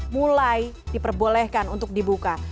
mulai diperbolehkan untuk dibuka